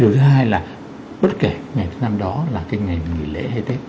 thứ hai là bất kể ngày thứ năm đó là cái ngày nghỉ lễ hay tết